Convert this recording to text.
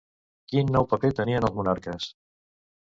Quin nou paper tenien els monarques?